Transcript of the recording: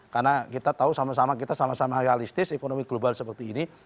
karena kita tahu sama sama kita sama sama realistis ekonomi global seperti ini